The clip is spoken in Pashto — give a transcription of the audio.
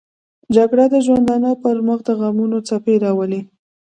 جګړه د ژوندانه پر مخ دغمونو څپې راولي